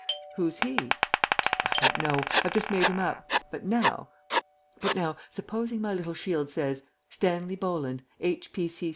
"Who's he?" "I don't know. I've just made him up. But now, supposing my little shield says, 'Stanley Bolland. H.